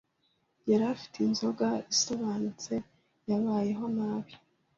Yari afite inzoga isobanutse; yabayeho nabi